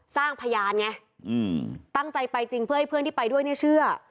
สร้างพยานไงตั้งใจไปจริงเพื่อให้เพื่อนที่ไปด้วยเนี่ยเชื่อ